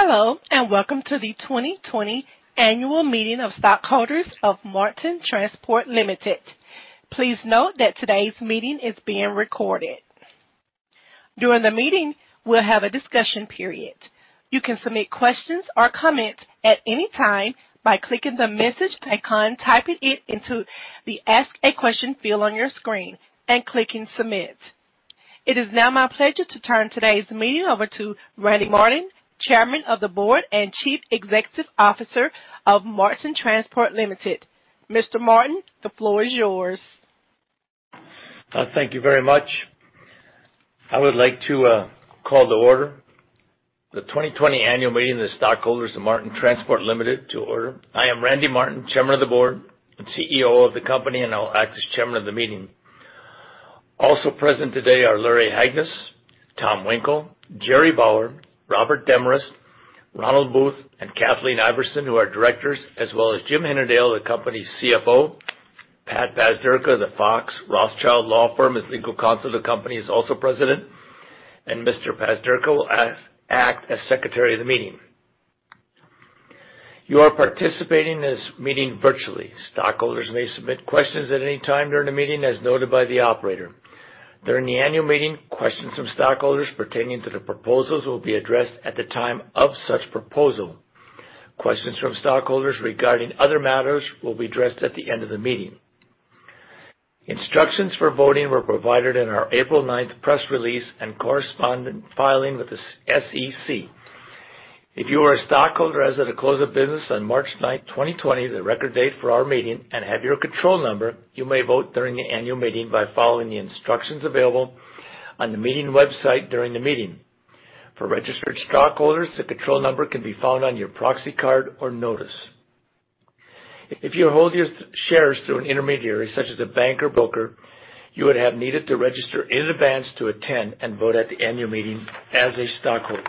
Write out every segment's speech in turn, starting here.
Hello, welcome to the 2020 annual meeting of stockholders of Marten Transport, Limited d. Please note that today's meeting is being recorded. During the meeting, we'll have a discussion period. You can submit questions or comments at any time by clicking the message icon, typing it into the Ask a Question field on your screen, and clicking Submit. It is now my pleasure to turn today's meeting over to Randy Marten, Chairman of the Board and Chief Executive Officer of Marten Transport, Ltd. Mr. Marten, the floor is yours. Thank you very much. I would like to call the 2020 annual meeting of the stockholders of Marten Transport, Ltd. to order. I am Randy Marten, Chairman of the Board and CEO of the company, and I'll act as chairman of the meeting. Also present today are Larry Hagness, Tom Winkel, Jerry Bauer, Robert Demorest, Ronald Booth, and Kathleen Iverson, who are directors, as well as Jim Hinnendael, the company's CFO. Pat Pazderka of Fox Rothschild LLP is legal counsel to the company. He's also president. Mr. Pazderka will act as secretary of the meeting. You are participating in this meeting virtually. Stockholders may submit questions at any time during the meeting, as noted by the operator. During the annual meeting, questions from stockholders pertaining to the proposals will be addressed at the time of such proposal. Questions from stockholders regarding other matters will be addressed at the end of the meeting. Instructions for voting were provided in our April 9th press release and corresponding filing with the SEC. If you are a stockholder as of the close of business on March 9th, 2020, the record date for our meeting, and have your control number, you may vote during the annual meeting by following the instructions available on the meeting website during the meeting. For registered stockholders, the control number can be found on your proxy card or notice. If you hold your shares through an intermediary such as a bank or broker, you would have needed to register in advance to attend and vote at the annual meeting as a stockholder.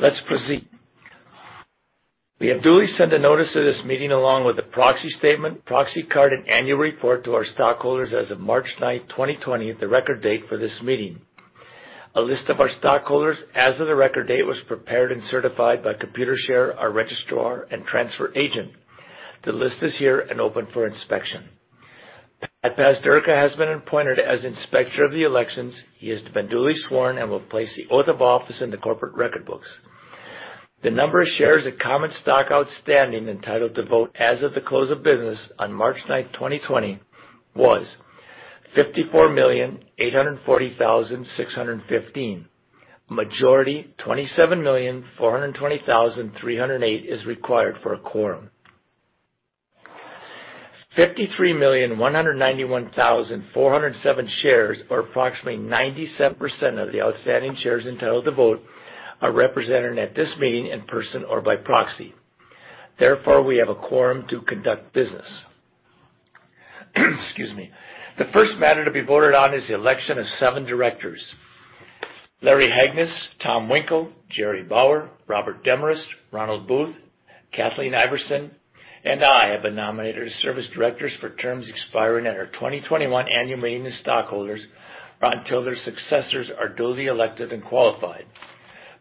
Let's proceed. We have duly sent a notice of this meeting along with the proxy statement, proxy card, and annual report to our stockholders as of March 9th, 2020, the record date for this meeting. A list of our stockholders as of the record date was prepared and certified by Computershare, our registrar and transfer agent. The list is here and open for inspection. Pat Pazderka has been appointed as Inspector of the Elections. He has been duly sworn and will place the oath of office in the corporate record books. The number of shares of common stock outstanding entitled to vote as of the close of business on March 9th, 2020, was 54,840,615. Majority, 27,420,308 is required for a quorum. 53 million 191,407 shares, or approximately 97% of the outstanding shares entitled to vote, are represented at this meeting in person or by proxy. Therefore, we have a quorum to conduct business. Excuse me. The first matter to be voted on is the election of seven directors. Larry Hagness, Tom Winkel, Jerry Bauer, Robert Demorest, Ronald Booth, Kathleen Iverson, and I have been nominated to serve as directors for terms expiring at our 2021 annual meeting of stockholders or until their successors are duly elected and qualified.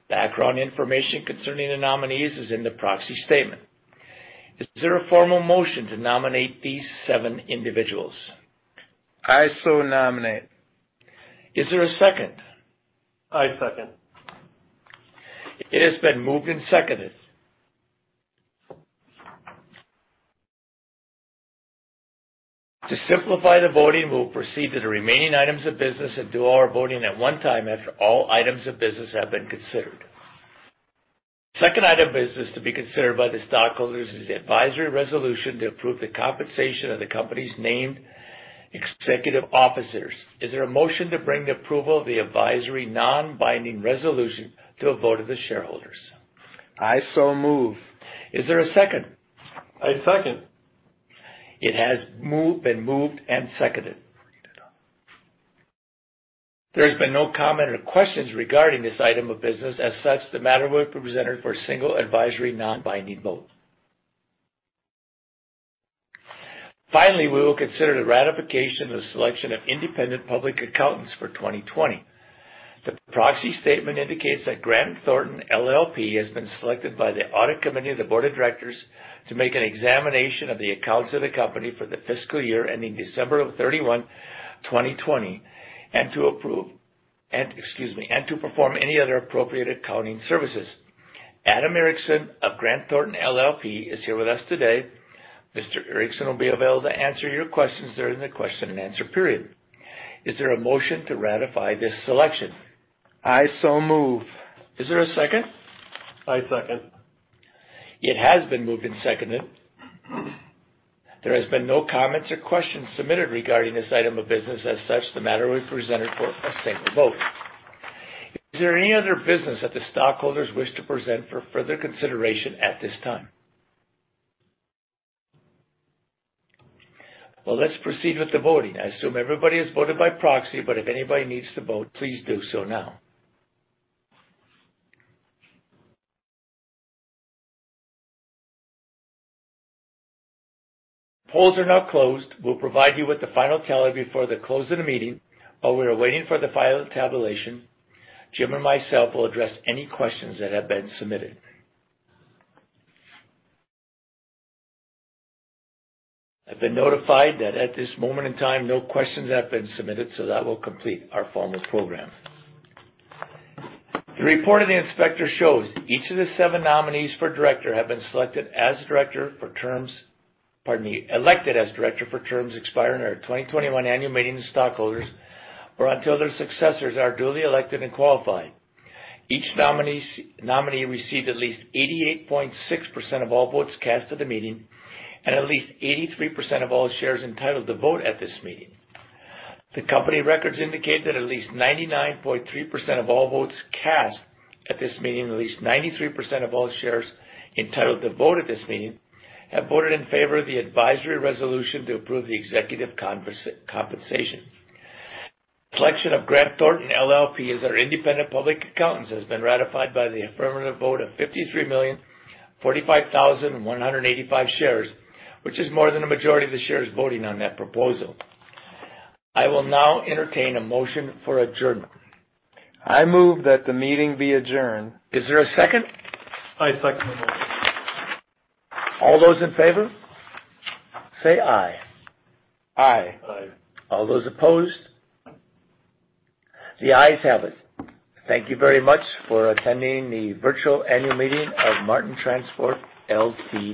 Background information concerning the nominees is in the proxy statement. Is there a formal motion to nominate these seven individuals? I so nominate. Is there a second? I second. It has been moved and seconded. To simplify the voting, we will proceed to the remaining items of business and do all our voting at one time after all items of business have been considered. Second item of business to be considered by the stockholders is the advisory resolution to approve the compensation of the company's named executive officers. Is there a motion to bring the approval of the advisory non-binding resolution to a vote of the shareholders? I so move. Is there a second? I second. It has been moved and seconded. There's been no comment or questions regarding this item of business. As such, the matter will be presented for a single advisory non-binding vote. Finally, we will consider the ratification of the selection of independent public accountants for 2020. The proxy statement indicates that Grant Thornton LLP has been selected by the audit committee of the board of directors to make an examination of the accounts of the company for the fiscal year ending December 31, 2020. Excuse me. To perform any other appropriate accounting services. Adam Erickson of Grant Thornton LLP is here with us today. Mr. Erickson will be available to answer your questions during the question and answer period. Is there a motion to ratify this selection? I so move. Is there a second? I second. It has been moved and seconded. There has been no comments or questions submitted regarding this item of business. The matter will be presented for a single vote. Is there any other business that the stockholders wish to present for further consideration at this time? Well, let's proceed with the voting. I assume everybody has voted by proxy, if anybody needs to vote, please do so now. Polls are now closed. We'll provide you with the final tally before the close of the meeting. While we are waiting for the final tabulation, Jim and myself will address any questions that have been submitted. I've been notified that at this moment in time, no questions have been submitted, that will complete our formal program. The report of the inspector shows that each of the seven nominees for director have been selected as director for terms Pardon me, elected as director for terms expiring at our 2021 annual meeting of stockholders or until their successors are duly elected and qualified. Each nominee received at least 88.6% of all votes cast at the meeting and at least 83% of all shares entitled to vote at this meeting. The company records indicate that at least 99.3% of all votes cast at this meeting, at least 93% of all shares entitled to vote at this meeting, have voted in favor of the advisory resolution to approve the executive compensation. Selection of Grant Thornton LLP as our independent public accountants has been ratified by the affirmative vote of 53,045,185 shares, which is more than a majority of the shares voting on that proposal. I will now entertain a motion for adjournment. I move that the meeting be adjourned. Is there a second? I second the motion. All those in favor, say "aye". All those opposed? The "ayes have it. Thank you very much for attending the virtual annual meeting of Marten Transport, Ltd.